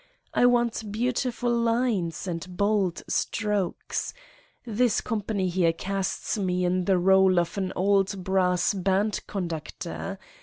I want beautiful lines and bold strokes. This company here casts me in the role of an old brass band conductor.